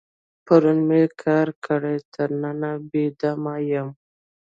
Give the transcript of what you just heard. پرون مې کار کړی، تر ننه بې دمه یم.